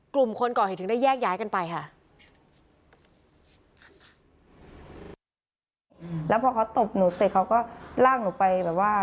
กลุ่มคนก่อเหตุถึงได้แยกย้ายกันไปค่ะ